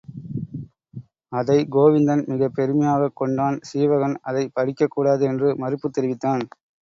அதை கோவிந்தன் மிகப் பெருமையாகக் கொண்டான் சீவகன் அதைப் படிக்கக்கூடாது என்று மறுப்புத் தெரிவித்தான்.